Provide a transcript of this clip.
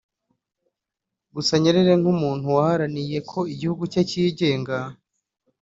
Gusa Nyerere nk’umuntu waharaniye ko igihugu cye cyigenga